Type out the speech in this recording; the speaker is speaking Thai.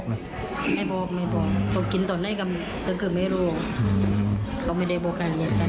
ก็นั่นเนี่ยคิดไม่ต้องเห็น